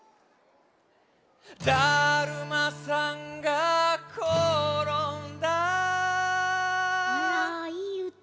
だるまさんがころんだあらいいうた。